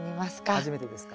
初めてですか？